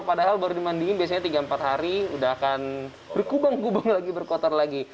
padahal baru dimandingin biasanya tiga empat hari udah akan berkubang kubang lagi berkotor lagi